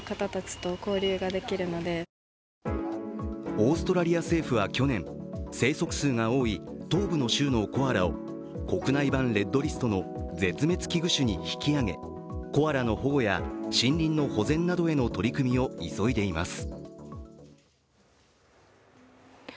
オーストラリア政府は去年生息数が多い東部の州のコアラを国内版レッドリストの絶滅危惧種に引き上げ、コアラの保護や森林の保全などへの取り組みを急いでいます。